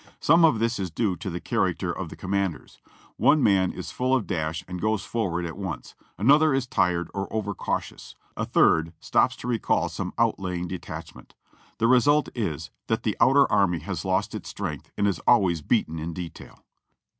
Some of this is due to the character of the commanders. One man is full of dash and goes forward at once; another is tired, or over cautious ; a third stops to recall some cut ljnng detachment. The result is, that the outer army has lost its strength and is always beaten in detail."